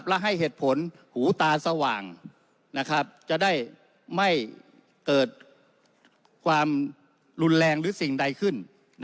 และให้เหตุผลหูตาสว่างจะได้ไม่เกิดความรุนแรงหรือสิ่งใดขึ้น